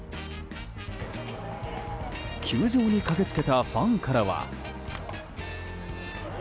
球場に駆け付けたファンからは。